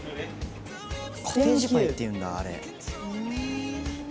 コテージパイっていうんだあれ。